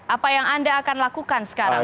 apa yang anda akan lakukan sekarang